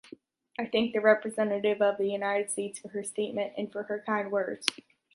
I thank the representative of the United States for her statement and for her kind words.